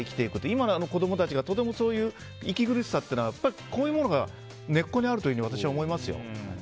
今の子供たちは息苦しさっていうのはこういうものが根っこにあると私は思いますよ。